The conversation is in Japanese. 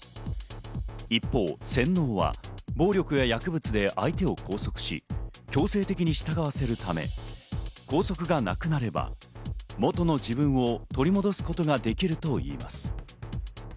一方、洗脳は暴力や薬物で相手を拘束し、強制的に従わせるため、拘束がなくなれば、元の自分を取り戻すことができるといいます。